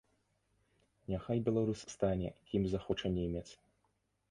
Няхай беларус стане, кім захоча немец.